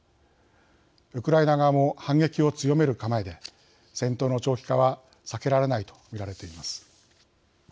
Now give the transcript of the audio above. ウクライナ側も反撃を強める構えで戦闘の長期化は避けられないと見られています。